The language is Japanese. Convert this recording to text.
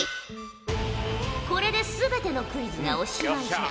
これで全てのクイズがおしまいじゃ。